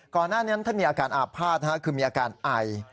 หน้านั้นท่านมีอาการอาภาษณ์คือมีอาการไอ